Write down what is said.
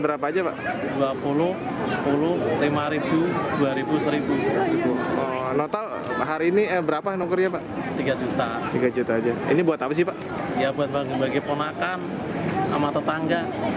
berita terkini mengenai cuaca ekstrem di jepang